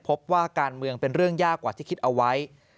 พบว่าการเมืองเป็นเรื่องยากกว่าที่คิดเอาไว้